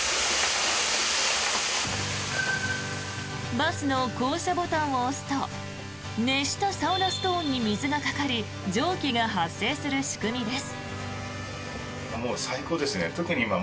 バスの降車ボタンを押すと熱したサウナストーンに水がかかり蒸気が発生する仕組みです。